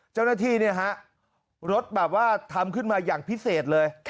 เจ้าหน้าที่เนี่ยฮะรถแบบว่าทำขึ้นมาอย่างพิเศษเลย